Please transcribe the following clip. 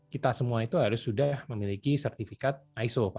kita semua itu harus sudah memiliki sertifikat iso